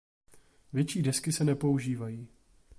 Větší desky se nepoužívají.